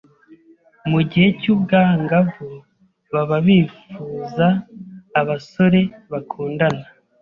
mu gihe cy’ubwangavu baba bifuza abasore bakundana